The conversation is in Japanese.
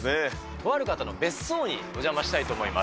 とある方の別荘にお邪魔したいと思います。